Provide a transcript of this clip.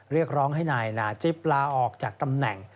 เรียกร้องให้นายนาจิ๊บลาออกจากตำแหน่ง